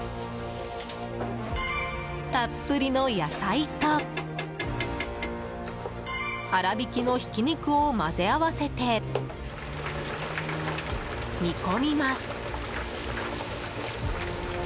たっぷりの野菜と粗びきのひき肉を混ぜ合わせて煮込みます。